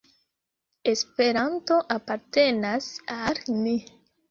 Esperanto apartenas al ni.